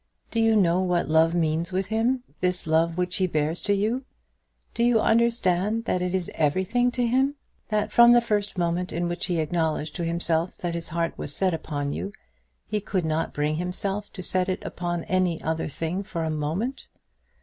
Do you know what love means with him; this love which he bears to you? Do you understand that it is everything to him? that from the first moment in which he acknowledged to himself that his heart was set upon you, he could not bring himself to set it upon any other thing for a moment?